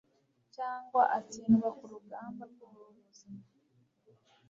cyangwa atsindwa ku rugamba rw'ubu buzima